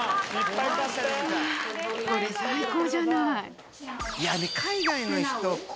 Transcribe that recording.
これ、最高じゃない。